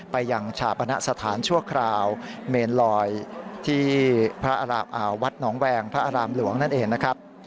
ไปยังชาปณะสถานชั่วคราวเมนลอยที่วัดหนองแวงพระอารามหลวงนั่นเองนะครับ